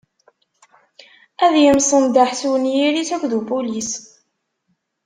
Ad imsenḍaḥ s uniyir-s akked upulis..